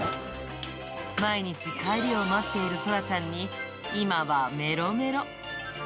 毎日帰りを待っているそらちゃんに、今はめろめろ。